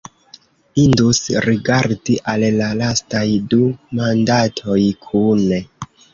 Indus rigardi al la lastaj du mandatoj kune.